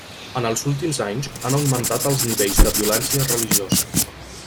En els últims anys han augmentat els nivells de violència religiosa.